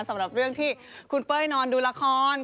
สำหรับเรื่องที่คุณเป้ยนอนดูละคร